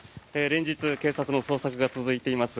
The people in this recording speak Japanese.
連日警察の捜索が続いています